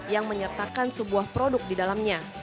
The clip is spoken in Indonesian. yang menyertakan sebuah produk di dalamnya